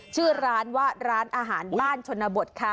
ชื่อร้านว่าร้านอาหารบ้านชนบทค่ะ